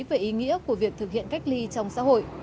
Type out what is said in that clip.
về ý nghĩa của việc thực hiện cách ly trong xã hội